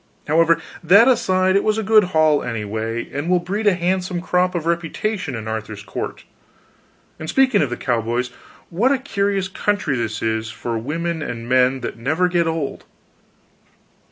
However, that aside, it was a good haul, anyway, and will breed a handsome crop of reputation in Arthur's court. And speaking of the cowboys, what a curious country this is for women and men that never get old.